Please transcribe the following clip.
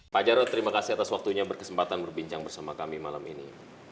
pak jarod terima kasih atas waktunya berkesempatan berbincang bersama kami malam ini